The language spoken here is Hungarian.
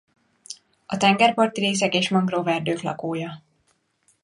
A tengerparti részek és mangroveerdők lakója.